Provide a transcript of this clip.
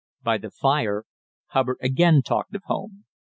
By the fire Hubbard again talked of home.